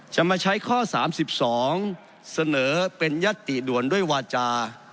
มาใช้ข้อ๓๒เสนอเป็นยัตติด่วนด้วยวาจา